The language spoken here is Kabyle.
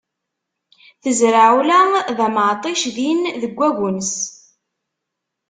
Tezreɛ ula d ameɛṭic din deg agnes.